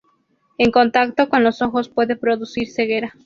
En contacto con los ojos puede producir ceguera.